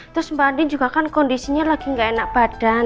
terus mbak andi juga kan kondisinya lagi nggak enak badan